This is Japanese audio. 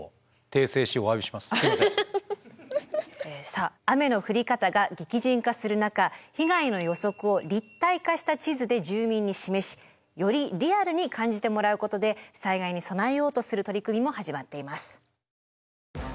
さあ雨の降り方が激甚化する中被害の予測を立体化した地図で住民に示しよりリアルに感じてもらうことで災害に備えようとする取り組みも始まっています。